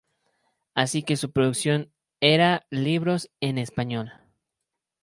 Así que su producción era libros en español.